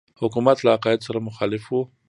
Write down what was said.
حکومت له عقایدو سره مخالف وو.